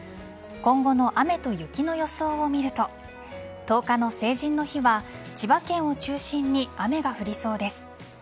今後の雨と雪の予想を見ると１０日の成人の日は千葉県を中心に雨が降りそうです。